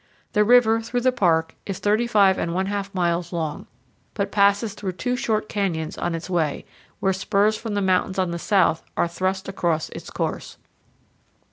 The river, through the park, is 35 1/2 miles long, but passes through two short canyons on its way, where spurs from the mountains on the south are thrust across its course.